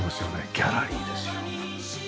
ギャラリーですよ。